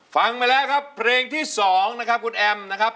ฟังไปแล้วครับเพลงที่๒นะครับคุณแอมนะครับ